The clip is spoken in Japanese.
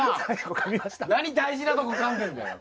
何大事なとこかんでんだよ。